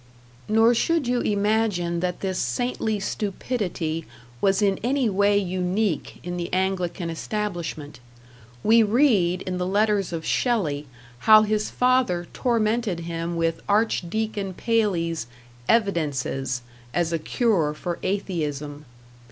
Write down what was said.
Nor should you imagine that this saintly stupidity was in any way unique in the Anglican establishment. We read in the letters of Shelley how his father tormented him with Archdeacon Paley's "Evidences" as a cure for atheism.